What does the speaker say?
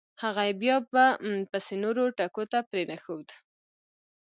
هغه یې بیا به … پسې نورو ټکو ته پرېنښود.